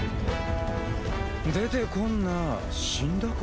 出てこんな死んだか？